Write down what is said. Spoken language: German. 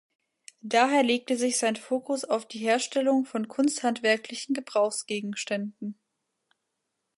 Daher legte sich sein Fokus auf die Herstellung von kunsthandwerklichen Gebrauchsgegenständen.